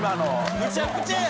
むちゃくちゃや！